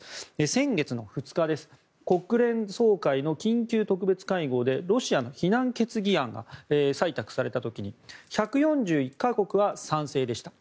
先月２日国連総会の緊急特別会合でロシアの非難決議案が採択された時に１４１か国は賛成でした。